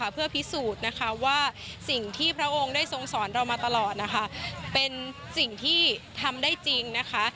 เพื่อพิสูจน์นะคะว่าสิ่งที่พระองค์ได้ทรงสอนเรามาตลอดนะคะเป็นสิ่งที่ทำได้จริงนะคะ